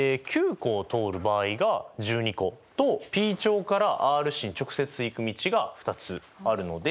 湖を通る場合が１２個とＰ町からＲ市に直接行く道が２つあるので。